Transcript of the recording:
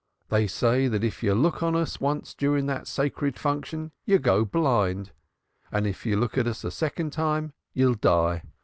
They say that if you look on us once during that sacred function, you'll get blind, and if you look on us a second time you'll die.